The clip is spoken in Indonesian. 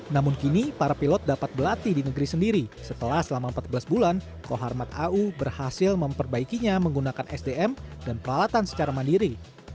namun kini para pilot dapat berlatih di negeri sendiri setelah selama empat belas bulan koharmat au berhasil memperbaikinya menggunakan sdm dan peralatan secara mandiri